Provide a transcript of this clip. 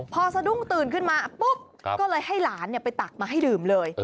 พอสะดุ้งตื่นขึ้นมาปุ๊บก็เลยให้หลานไปตักมาให้ดื่มเลย